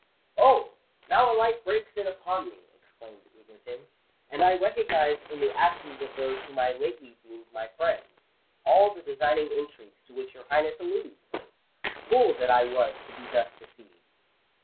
"Oh! now a light breaks in upon me," exclaimed Egerton; "and I recognise in the actions of those whom I lately deemed my friends, all the designing intrigues to which your Highness alludes! Fool that I was to be thus deceived!"